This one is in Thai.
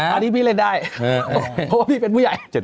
อันนี้พี่เล่นได้เพราะว่าพี่เป็นผู้ใหญ่